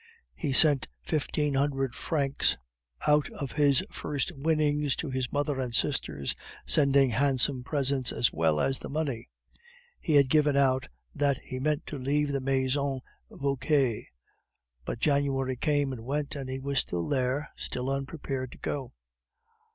He sent fifteen hundred francs out of his first winnings to his mother and sisters, sending handsome presents as well as the money. He had given out that he meant to leave the Maison Vauquer; but January came and went, and he was still there, still unprepared to go.